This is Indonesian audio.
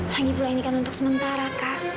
lagipula ini kan untuk sementara kak